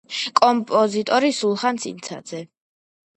კომპოზიტორი სულხან ცინცაძე.